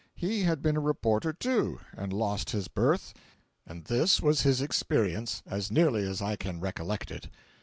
He had been a reporter too, and lost his berth, and this was his experience, as nearly as I can recollect it.